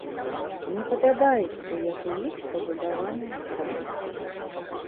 Мне падабаецца, як у іх пабудаваная праца.